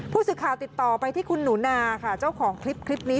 ผู้สื่อข่าวติดต่อไปที่คุณหนูนาค่ะเจ้าของคลิปนี้